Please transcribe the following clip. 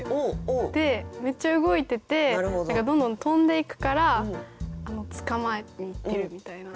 めっちゃ動いてて何かどんどん跳んでいくから捕まえにいってるみたいな。